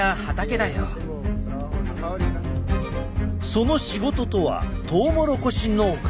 その仕事とはトウモロコシ農家。